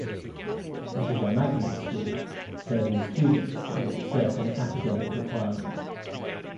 It is a magnet school serving students that meet certain academic requirements.